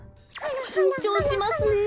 きんちょうしますねえ。